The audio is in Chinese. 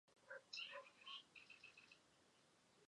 这种说法为大多数人所采信。